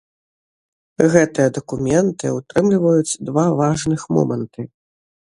Гэтыя дакументы ўтрымліваюць два важных моманты.